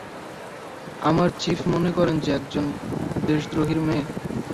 আমার চিফ মনে করেন যে একজন- - দেশদ্রোহীর মেয়ে?